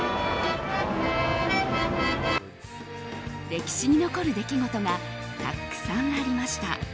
歴史に残る出来事がたくさんありました。